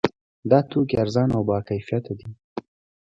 دا توکي ارزانه او باکیفیته دي.